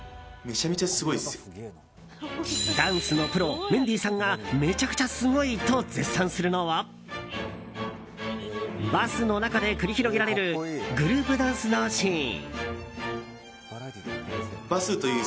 ダンスのプロメンディーさんがめちゃくちゃすごい！と絶賛するのはバスの中で繰り広げられるグループダンスのシーン。